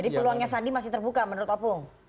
peluangnya sandi masih terbuka menurut opung